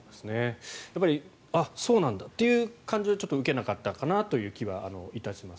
やっぱりそうなんだって感じは受けなかったかなという気はいたします。